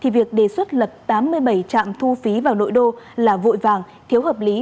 việc đề xuất lập tám mươi bảy trạm thu phí vào nội đô là vội vàng thiếu hợp lý